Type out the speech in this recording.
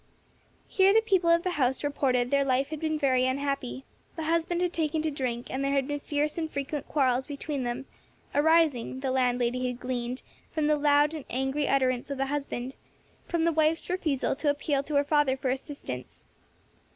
Here the people of the house reported their life had been very unhappy; the husband had taken to drink, and there had been fierce and frequent quarrels between them, arising the landlady had gleaned, from the loud and angry utterance of the husband from the wife's refusal to appeal to her father for assistance.